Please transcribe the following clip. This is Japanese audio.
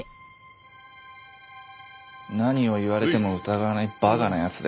何を言われても疑わない馬鹿な奴で。